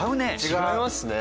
違いますね。